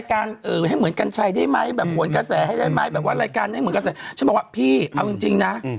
อะบวชจะแก้วก็แก้วเลยอ่ะจริงเหรอ